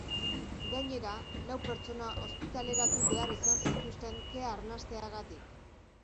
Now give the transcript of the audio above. Gainera, lau pertsona ospitaleratu behar izan zituzten kea arnasteagatik.